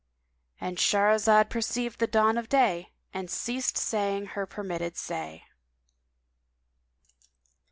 —And Shahrazad perceived the dawn of day and ceased saying her permitted say.